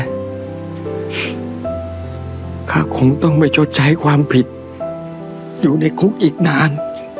เขาคงต้องไปชดใช้ความผิดอยู่ในคุกอีกนาน